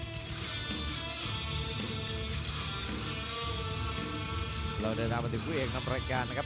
เราได้ตามมาจากผู้เอกนำรายการนะครับ